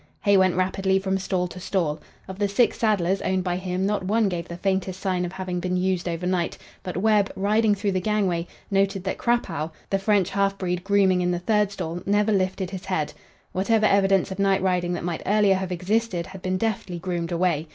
Hay went rapidly from stall to stall. Of the six saddlers owned by him not one gave the faintest sign of having been used over night, but Webb, riding through the gangway, noted that "Crapaud," the French halfbreed grooming in the third stall, never lifted his head. Whatever evidence of night riding that might earlier have existed had been deftly groomed away.